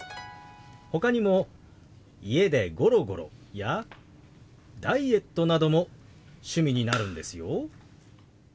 ほかにも「家でゴロゴロ」や「ダイエット」なども趣味になるんですよ。